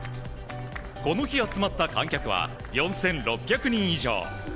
この日、集まった観客は４６００人以上。